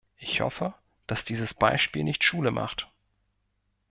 Ich hoffe, dass dieses Beispiel nicht Schule macht.